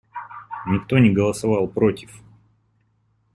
Никто не голосовал против.